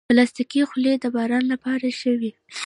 پلاستيکي خولۍ د باران لپاره ښه وي.